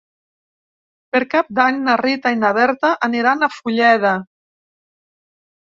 Per Cap d'Any na Rita i na Berta aniran a Fulleda.